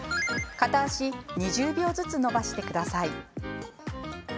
片足２０秒ずつ伸ばしてください。